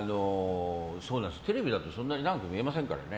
テレビだとそんなに長く見えませんからね。